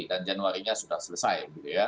dan januarinya sudah selesai